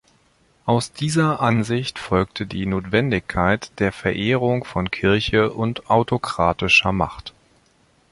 Aus dieser Ansicht folgt die Notwendigkeit der Verehrung von Kirche und autokratischer Macht.